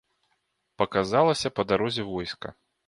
Паказалася па дарозе войска.